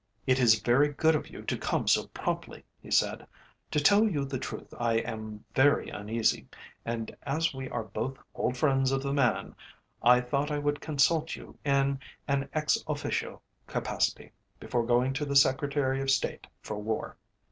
"It is very good of you to come so promptly," he said. "To tell you the truth, I am very uneasy, and as we are both old friends of the man, I thought I would consult you in an ex officio capacity, before going to the Secretary of State for War."